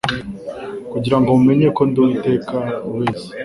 kugira ngo mumenye ko ndi Uwiteka ubeza.”